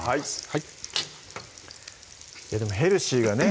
はい「ヘルシー」がね